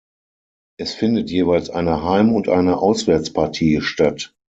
Es findet jeweils eine Heim- und eine Auswärtspartie statt.